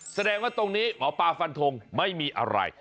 แสดงว่าตรงนี้หมอปลาฟันทงไม่มีอะไร